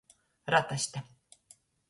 Rataste.